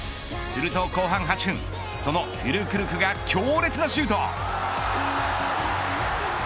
すると後半８分そのフュルクルクが強烈なシュート。